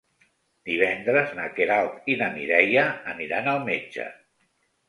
Divendres na Queralt i na Mireia aniran al metge.